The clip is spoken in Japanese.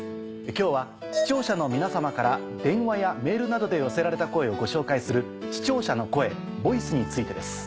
今日は視聴者の皆様から電話やメールなどで寄せられた声をご紹介する。についてです。